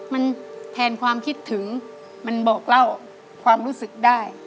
มันแทนความคิดถึงมันบอกเล่าความรู้สึกได้